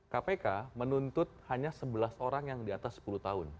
kpk menuntut hanya sebelas orang yang di atas sepuluh tahun